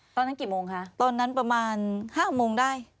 ตอนนั้นกี่โมงคะตอนนั้นประมาณ๕โมงได้